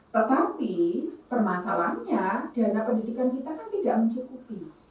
tetapi permasalahannya dana pendidikan kita kan tidak mencukupi